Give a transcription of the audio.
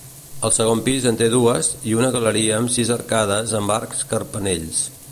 El segon pis en té dues i una galeria amb sis arcades amb arcs carpanells.